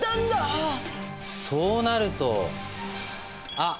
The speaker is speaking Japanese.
そうなるとあっ！